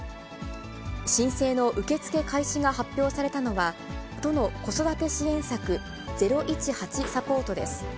申請の受け付け開始が発表されたのは、都の子育て支援策、０１８サポートです。